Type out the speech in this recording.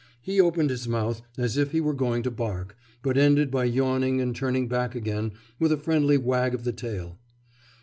He opened his mouth as if he were going to bark, but ended by yawning and turning back again with a friendly wag of the tail.